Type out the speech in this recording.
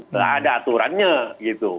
nah ada aturannya gitu